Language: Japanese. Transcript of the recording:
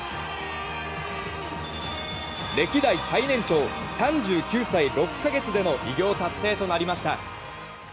歴代最年長３９歳６か月での偉業達成となりました。